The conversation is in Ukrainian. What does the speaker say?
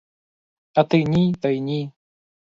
А ти ні та й ні.